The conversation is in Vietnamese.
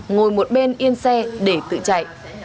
ngồi một bên yên xe để tự chạy